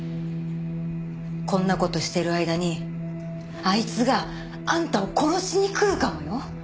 こんな事してる間にあいつがあんたを殺しに来るかもよ。